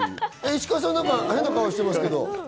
石川さん、変な顔してますけど。